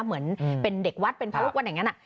เหมือนเป็นเด็กวัดเป็นพระลูกวัดอย่างนั้น